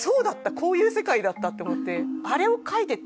こういう世界だったって思って。